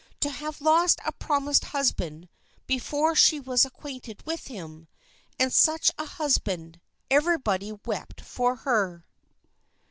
To have lost a promised husband before she was acquainted with him! And such a husband! Everybody wept for her.